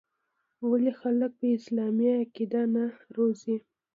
ولـې خـلـک پـه اسـلامـي عـقـيده نـه روزي.